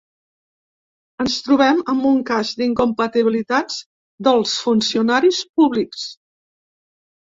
Ens trobem amb un cas d’incompatibilitats dels funcionaris públics.